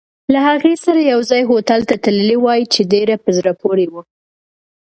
له هغې سره یوځای هوټل ته تللی وای، چې ډېر په زړه پورې وو.